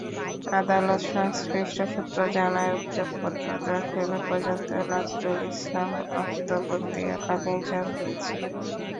আদালত-সংশ্লিষ্ট সূত্র জানায়, অভিযোগপত্র দাখিল পর্যন্ত নজরুল ইসলাম অন্তর্বর্তীকালীন জামিনে ছিলেন।